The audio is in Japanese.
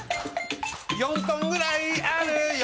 ４ｔぐらいあるよ。